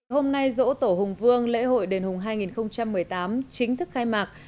hôm nay dỗ tổ hùng vương lễ hội đền hùng hai nghìn một mươi tám chính thức khai mạc